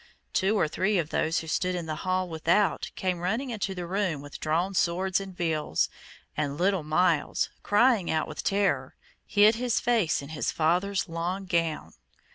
Two or three of those who stood in the hall without came running into the room with drawn swords and bills, and little Myles, crying out with terror, hid his face in his father's long gown.